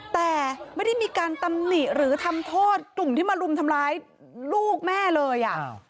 แต่ไม่ได้มีการตำหนิหรือทำโทษกลุ่มที่มารุมทำร้ายลูกแม่เลย